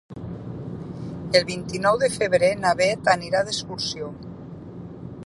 El vint-i-nou de febrer na Bet anirà d'excursió.